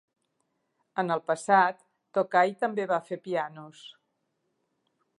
En el passat, Tokai també va fer pianos.